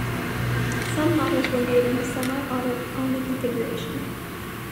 Some models were made in a semi-auto only configuration.